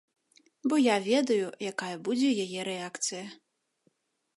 Бо я ведаю, якая будзе яе рэакцыя.